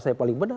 saya paling benar